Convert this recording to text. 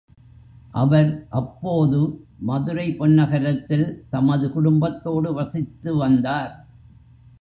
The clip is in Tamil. அவர் அப்போது மதுரை பொன்னகரத்தில் தமது குடும்பத்தோடு வசித்து வந்தார்.